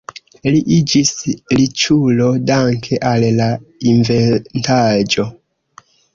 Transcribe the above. Li iĝis riĉulo danke al la inventaĵo.